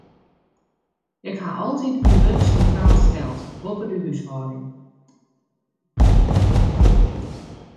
Ik ha altyd myn wurk sintraal steld, boppe de húshâlding.